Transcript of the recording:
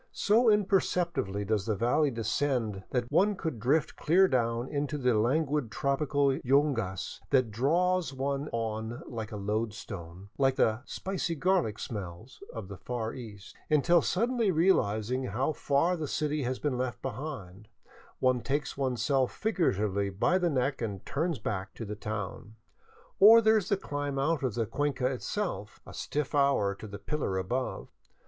So impercep tibly does the valley descend that one could drift clear down into the languid tropical yungas that draws one on like a lodestone, like the '' spicy garlic smells " of the Far East, until suddenly realizing how far the city has been left behind, one takes oneself figuratively by the neck and turns back to the town. Or there is the climb out of the cuenca itself, a stiff hour to the pillar above.